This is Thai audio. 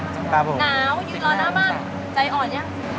อยู่รอน่าบ้านใจอ่อนยัง